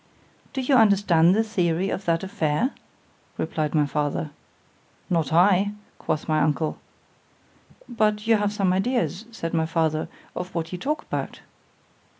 Do you understand the theory of that affair? replied my father. Not I, quoth my uncle. —But you have some ideas, said my father, of what you talk about?